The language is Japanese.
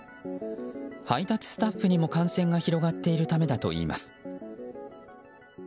配達スタッフにも感染が広がっているためだといいます。